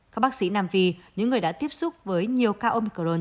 các bác sĩ nam phi những người đã tiếp xúc với nhiều ca omicron